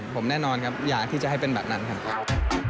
ผมแน่นอนครับอยากที่จะให้เป็นแบบนั้นครับ